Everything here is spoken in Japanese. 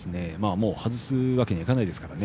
もう、外すわけにはいかないですからね。